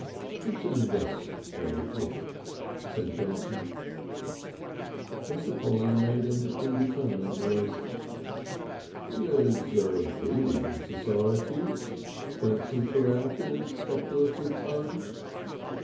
"It's a nest egg," said Johnson. Mr. Polly made an indeterminate noise. "There's building societies," Johnson threw out in a speculative tone.